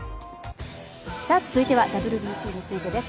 続いてはＷＢＣについてです。